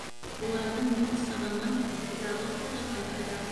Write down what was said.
Уларҙың юл сығымын завод үҙе ҡайтара.